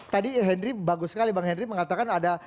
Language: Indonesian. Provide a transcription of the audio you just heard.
tadi henry bagus sekali bang henry mengatakan ada